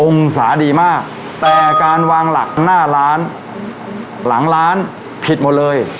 องศาดีมากแต่การวางหลักหน้าร้านหลังร้านผิดหมดเลย